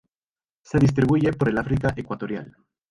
Se distribuye por el África ecuatorial.